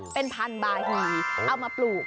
เป็นพันบาหีเอามาปลูก